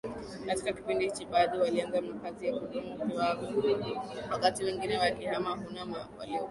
Katika kipindi hichi baadhi walianza makazi ya kudumu kwaiyo wakati wengine wakihama kuna waliobaki